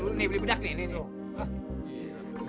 dadan beli bedak nih